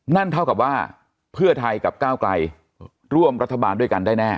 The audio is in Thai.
นั่นเท่ากับว่าเพื่อไทยกับก้าวไกลร่วมรัฐบาลด้วยกันได้แน่